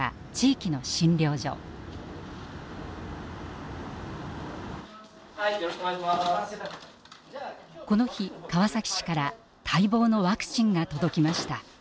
この日川崎市から待望のワクチンが届きました。